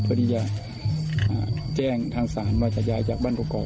เพื่อที่จะแจ้งทางศาลว่าจะย้ายจากบ้านกรอก